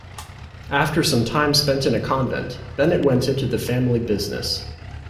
After some time spent in a convent, Bennett went into the family business.